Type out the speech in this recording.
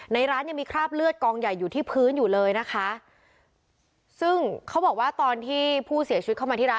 ร้านยังมีคราบเลือดกองใหญ่อยู่ที่พื้นอยู่เลยนะคะซึ่งเขาบอกว่าตอนที่ผู้เสียชีวิตเข้ามาที่ร้าน